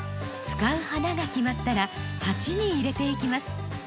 使う花が決まったら鉢に入れていきます。